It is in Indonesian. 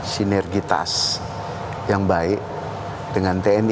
soalnya mereka kencang di tempat tersebut